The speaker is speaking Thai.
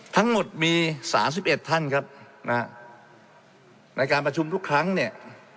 ทั้งหมดมี๓๑ท่านครับในการประชุมทุกครั้งเนี่ย